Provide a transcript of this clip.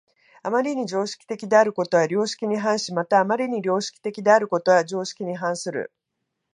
余りに常識的であることは良識に反し、また余りに良識的であることは常識に反する。